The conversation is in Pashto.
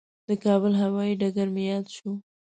د کابل هوایي ډګر مې یاد شو.